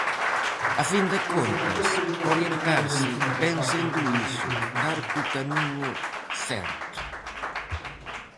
A fin de contas, orientarse vén sendo iso, dar co camiño certo.